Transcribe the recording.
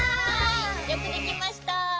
よくできました！